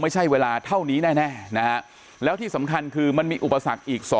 ไม่ใช่เวลาเท่านี้แน่นะฮะแล้วที่สำคัญคือมันมีอุปสรรคอีก